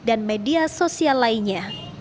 dan media sosial lainnya